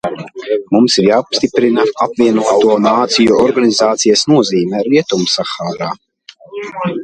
Mums ir jāpastiprina Apvienoto Nāciju Organizācijas nozīme Rietumsahārā.